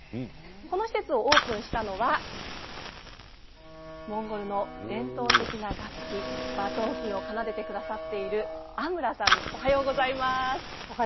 この施設をオープンしたのはモンゴルの伝統的な楽器馬頭琴を奏でてくださっていますおはようございます。